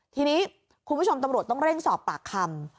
ทีนี้คุณผู้ชมตำรวจต้องเร่งสอบปากคำ